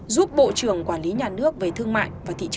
giúp bộ trưởng quản lý nhà nước về thương mại